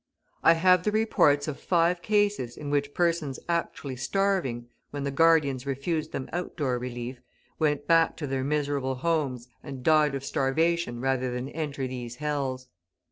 I have the reports of five cases in which persons actually starving, when the guardians refused them outdoor relief, went back to their miserable homes and died of starvation rather than enter these hells.